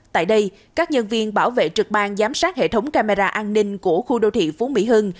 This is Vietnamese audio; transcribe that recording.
tại đây các nhân viên bảo vệ trực ban giám sát hệ thống camera an ninh của khu đô thị phú mỹ hưng